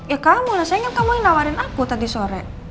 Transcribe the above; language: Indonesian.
ya kamu lah saya ingat kamu yang nawarin aku tadi sore